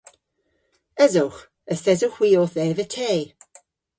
Esowgh. Yth esowgh hwi owth eva te.